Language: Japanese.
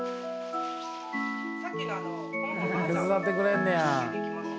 手伝ってくれんねや。